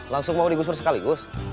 langsung mau digusur sekaligus